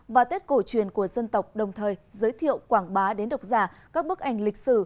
và tết cổ truyền của dân tộc đồng thời giới thiệu quảng bá đến độc giả các bức ảnh lịch sử